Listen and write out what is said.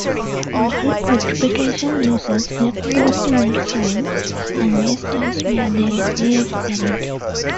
Bulk vitrification uses electrodes to melt soil and wastes where they lay buried.